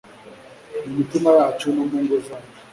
mu mitima yacu no mu ngo zacu